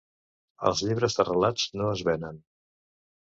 ’Els llibres de relats no es venen.